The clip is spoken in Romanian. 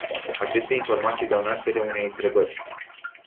Aceste informații dau naștere unei întrebări.